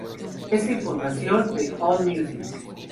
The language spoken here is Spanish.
Esta información de Allmusic.